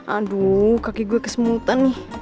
aduh kaki gue kesemutan nih